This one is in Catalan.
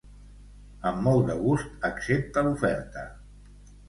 Amb molt de gust accepta l'oferta.